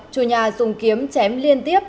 chùa nhà dùng kiếm chém liên tiếp